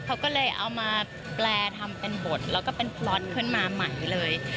เขาก็เลยเอามาแปลทำเป็นบทแล้วก็เป็นพล็อตขึ้นมาใหม่เลย